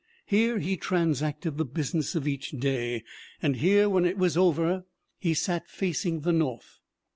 Here he transacted the business of each day, and here, when it was over, he sat facing the North.